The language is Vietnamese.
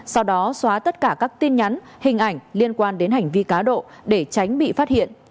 sau đó xóa tất cả các tin nhắn hình ảnh liên quan đến hành vi cá độ để tránh bị phát hiện